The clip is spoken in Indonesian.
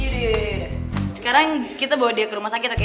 sekarang kita bawa dia ke rumah sakit